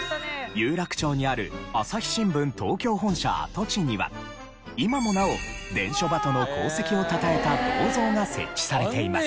有楽町にある朝日新聞東京本社跡地には今もなお伝書鳩の功績をたたえた銅像が設置されています。